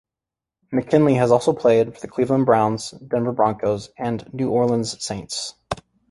McKinley has also played for the Cleveland Browns, Denver Broncos and New Orleans Saints.